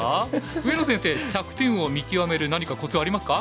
上野先生着点を見極める何かコツありますか？